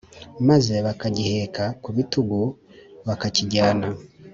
Maze bakagiheka ku bitugu bakakijyana